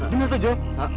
gimana tuh jo